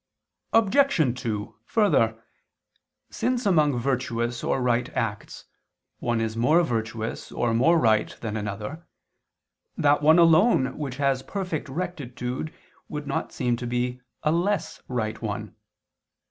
Obj. 2: Further, since among virtuous or right acts one is more virtuous or more right than another, that one alone which has perfect rectitude would not seem to be a "less" right one.